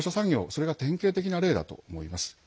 それが典型的な例だと思います。